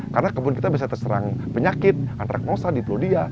karena kebun kita bisa terserang penyakit antaragnosa diplodia